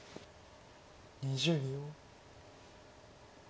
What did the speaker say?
２０秒。